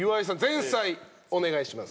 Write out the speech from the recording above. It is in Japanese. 前菜お願いします。